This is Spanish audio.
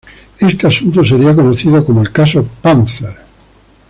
Este asunto sería conocido como el "Caso Panther".